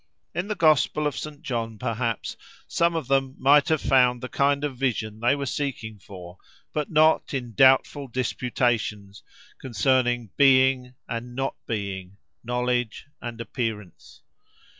In the Gospel of Saint John, perhaps, some of them might have found the kind of vision they were seeking for; but not in "doubtful disputations" concerning "being" and "not being," knowledge and appearance.